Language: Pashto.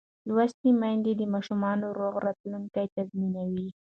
لوستې میندې د ماشوم روغ راتلونکی تضمینوي.